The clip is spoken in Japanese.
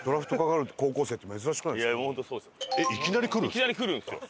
いきなりくるんですよ。